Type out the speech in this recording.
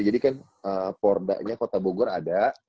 jadi kan porda nya kota bogor ada